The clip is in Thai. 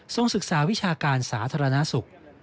ศึกษาวิชาการสาธารณสุข